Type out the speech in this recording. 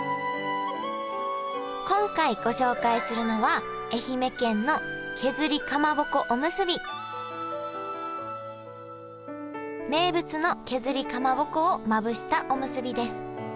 今回ご紹介するのは名物の削りかまぼこをまぶしたおむすびです。